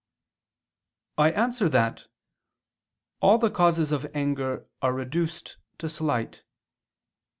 I answer that, All the causes of anger are reduced to slight.